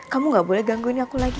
kamu gak boleh gangguin aku lagi